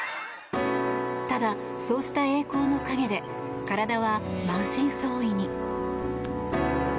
ただ、そうした栄光の陰で体は満身創痍に。